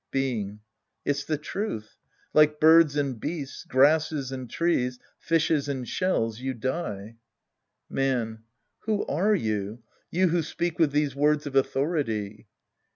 Being. It's the truth. Like birds and beasts, grasses and trees, fishes and shells, you die. Man. Who are you ? You \Vho speak with these words of authority